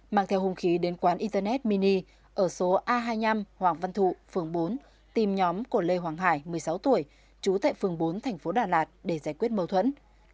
mang theo hung khí đến quán internet mini ở số a hai mươi năm hoàng văn thụ phường bốn tìm nhóm của lê hoàng hải một mươi sáu tuổi trú tại phường bốn thành phố đà lạt để giải quyết mâu thuẫn